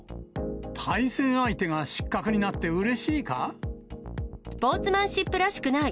対戦相手が失格になってうれスポーツマンシップらしくない。